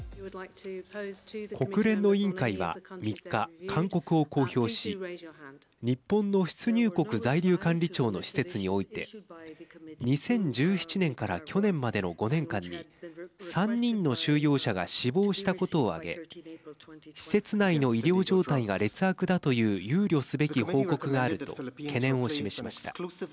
国連の委員会は３日勧告を公表し日本の出入国在留管理庁の施設において２０１７年から去年までの５年間に３人の収容者が死亡したことを挙げ施設内の医療状態が劣悪だという憂慮すべき報告があると懸念を示しました。